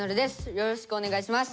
よろしくお願いします！